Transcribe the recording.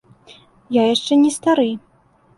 Я яшчэ не стары.